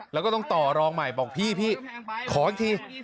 แล้วก็ต้องต่อรองใหม่บอกพี่ขออีกที